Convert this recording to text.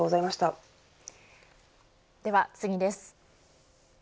では次です。